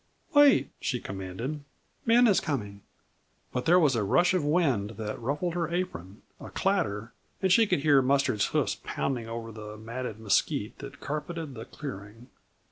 "Wait!" she commanded. "Ben is coming!" But there was a rush of wind that ruffled her apron, a clatter, and she could hear Mustard's hoofs pounding over the matted mesquite that carpeted the clearing.